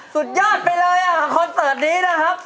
สุดยอดไปเลยคอนเสิร์ตนี้นะครับ